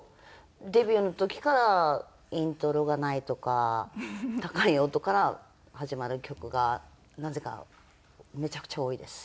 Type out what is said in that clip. デビューの時からイントロがないとか高い音から始まる曲がなぜかめちゃくちゃ多いです。